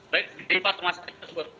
baik di tempat rumah sakit tersebut